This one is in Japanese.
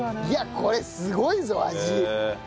いやこれすごいぞ味！